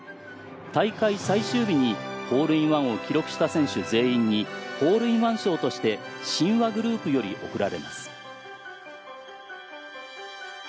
大会最終日にホールインワンを記録した選手全員にホールインワン賞として信和グループより贈られます。